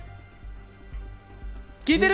聞いてる？